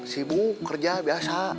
sibuk kerja biasa